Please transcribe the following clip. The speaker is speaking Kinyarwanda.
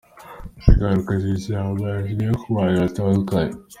Ingaruka z’izi ntambara zigera ku bantu batandukanye.